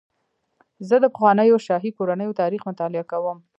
زه د پخوانیو شاهي کورنیو تاریخ مطالعه کوم.